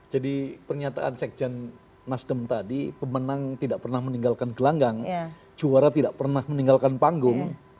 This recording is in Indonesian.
pernyataan sekjen nasdem tadi pemenang tidak pernah meninggalkan gelanggang juara tidak pernah meninggalkan panggung